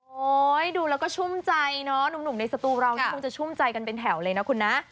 ดูแล้วก็ชุ่มใจเนอะหนุ่มในสตูเรานี่คงจะชุ่มใจกันเป็นแถวเลยนะคุณนะ